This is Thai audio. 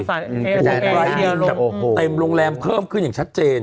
รายบินเต็มโรงแรมเพิ่มขึ้นอย่างชัดเจน